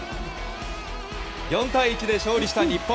４対１で勝利した日本。